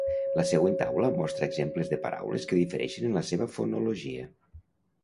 La següent taula mostra exemples de paraules que difereixen en la seva fonologia.